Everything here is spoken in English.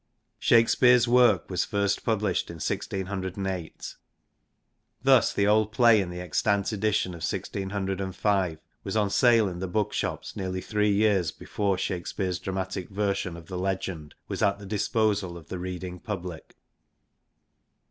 Shakespeare's work was first pub lished in^i6o) Thus the old play in the extant edition of 1605 was on sale in the bookshops nearly three years before Shakespeare's dramatic version of the legend was at the disposal of the reading public.